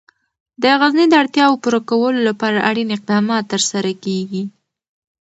د غزني د اړتیاوو پوره کولو لپاره اړین اقدامات ترسره کېږي.